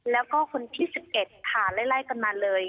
แล้วก็คนที่๑๑ค่ะไล่กันมาเลย